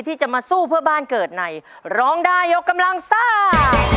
ที่จะมาสู้เพื่อบ้านเกิดในร้องได้ยกกำลังซ่า